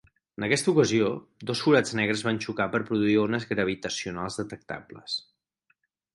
En aquest ocasió, dos forats negres van xocar per produir ones gravitacionals detectables.